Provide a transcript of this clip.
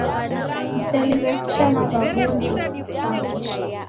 Mseliw'e kucha na w'abonjo w'apo.